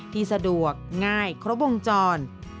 ที่สะดวกง่ายครบวงจร